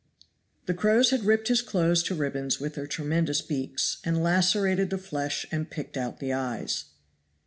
The crows had ripped his clothes to ribbons with their tremendous beaks, and lacerated the flesh and picked out the eyes.